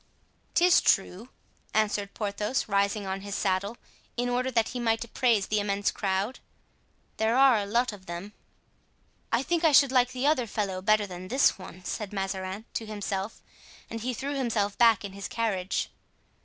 "'Tis true," answered Porthos, rising on his saddle, in order that he might appraise the immense crowd, "there are a lot of them." "I think I should like the other fellow better than this one," said Mazarin to himself, and he threw himself back in his carriage.